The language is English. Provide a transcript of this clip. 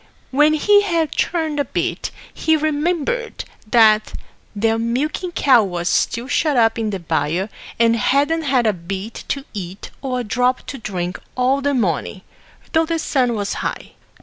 When he had churned a bit, he remembered that their milking cow was still shut up in the byre, and hadn't had a bit to eat or a drop to drink all the morning, though the sun was high.